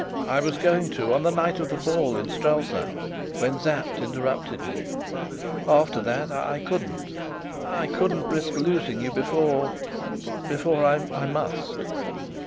"I was going to on the night of the ball in Strelsau, when Sapt interrupted me. After that, I couldn't I couldn't risk losing you before before I must!